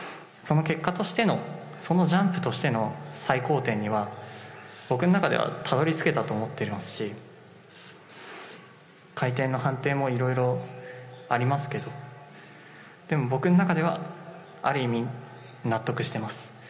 その結果としてのそのジャンプとしての最高点には、僕の中にはたどりつけたと思っていますし、回転の判定もいろいろありますけど、でも僕の中ではある意味、納得してます。